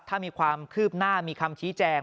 ถ้ามีความคืบหน้ามีคำชี้แจง